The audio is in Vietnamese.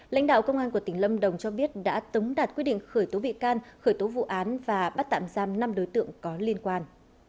lãnh đạo công an của tỉnh lâm đồng cho biết đã tống đạt quyết định khởi tố bị can khởi tố vụ án và bắt tạm giam năm đối tượng có liên quan